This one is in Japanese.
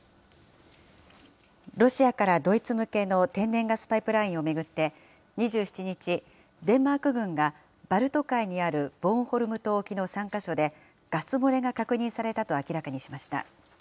ロシアからドイツ向けの天然ガスパイプラインを巡って２７日、デンマーク軍がバルト海にあるボーンホルム島沖の３か所で、ガス漏れが確認されたと明らかにしました。